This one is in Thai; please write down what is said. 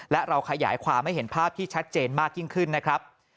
และเราขยายความให้เห็นภาพที่ชัดเจนมากยิ่งขึ้นนะครับ